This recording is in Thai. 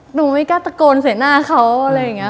หนูไม่กล้าตะโกนใส่หน้าเขาอะไรอย่างนี้